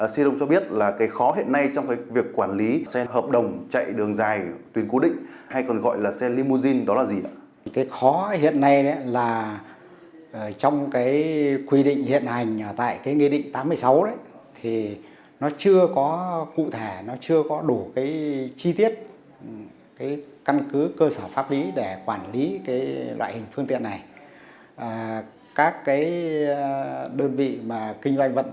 xin ông cho biết khó hiện nay trong việc quản lý xe hợp đồng chạy đường dài tuyến cố định hay còn gọi là xe limousine đó là gì